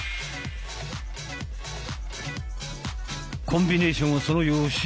コンビネーションはその予習。